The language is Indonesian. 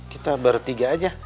kita bertiga aja